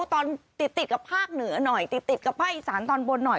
ตอนติดติดกับภาคเหนือหน่อยติดกับภาคอีสานตอนบนหน่อย